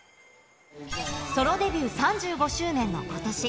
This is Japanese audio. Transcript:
ソロデビュー３５周年のことし。